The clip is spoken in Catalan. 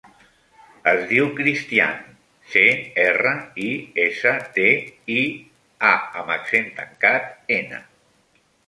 Es diu Cristián: ce, erra, i, essa, te, i, a amb accent tancat, ena.